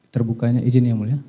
terbukanya izin ya mulia